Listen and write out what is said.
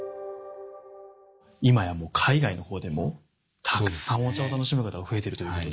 今やもう海外の方でもたくさんお茶を楽しむ方が増えてるということで。